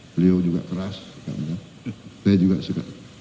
beliau juga keras saya juga suka